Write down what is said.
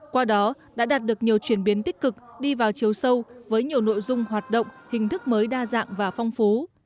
qua đó đã đạt được nhiều chuyển biến tích cực đi vào chiều sâu với nhiều nội dung hoạt động hình thức mới đa dạng và phong phú